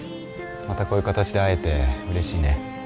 またこういう形で会えてうれしいね。